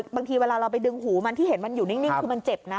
บางทีเวลาเราไปดึงหูมันที่เห็นมันอยู่นิ่งคือมันเจ็บนะ